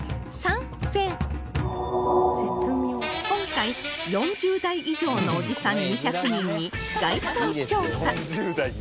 今回４０代以上のおじさん２００人に街頭調査